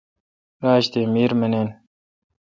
راج تی میر منے۔